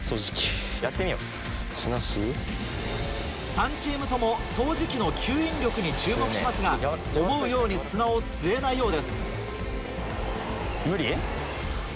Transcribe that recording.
３チームとも掃除機の吸引力に注目しますが思うように砂を吸えないようです。